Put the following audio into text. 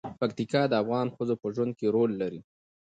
پکتیا د افغان ښځو په ژوند کې رول لري.